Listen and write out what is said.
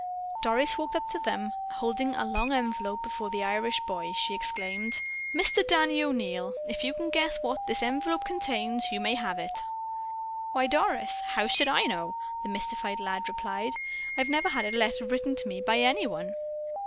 Doris walked up to them and, holding a long envelope before the Irish boy, she exclaimed: "Mister Danny O'Neil, if you can guess what this envelope contains, you may have it." "Why, Doris, how should I know?" the mystified lad replied. "I never had a letter written to me by anyone."